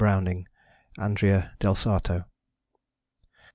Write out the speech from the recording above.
BROWNING, _Andrea del Sarto.